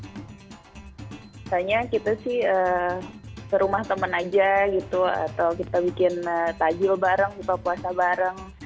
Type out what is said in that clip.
biasanya kita sih ke rumah teman aja gitu atau kita bikin tajil bareng buka puasa bareng